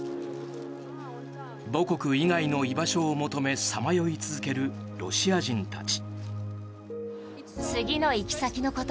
母国以外の居場所を求めさまよい続けるロシア人たち。